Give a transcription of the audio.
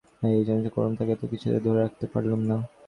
এত চেষ্টা করলুম, তাঁকে তো কিছুতে ধরে রাখতে পারলুম না।